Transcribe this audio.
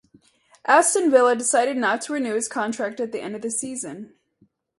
Aston Villa decided not to renew his contract at the end of the season.